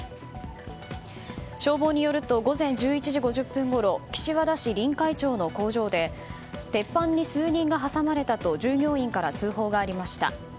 消防によると午前１１時５０分ごろ岸和田市臨海町の工場で鉄板に数人が挟まれたと従業員から通報がありました。